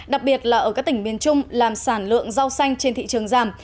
đặc biệt là ở các tỉnh miền trung làm sản lượng rau xanh trên thị trường giảm